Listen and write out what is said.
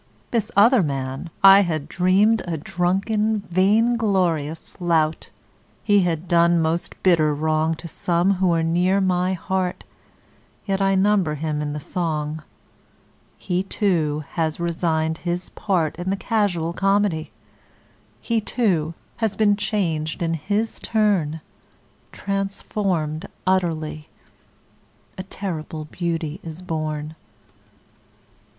This other man I had dreamed A drunken, vain glorious lout. He had done most bitter wrong To some who are near my heart, Yet I number him in the song; He, too, has resigned his part In the casual comedy; He, too, has been changed in his turn, Transformed utterly: A terrible beauty is born.